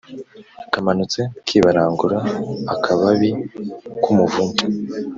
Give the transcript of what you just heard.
kamanutse kibarangura-akababi k'umuvumu.